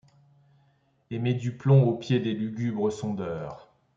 Et met du plomb aux pieds des lugubres sondeurs.